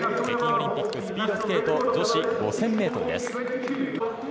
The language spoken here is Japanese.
北京オリンピックスピードスケート女子５０００ｍです。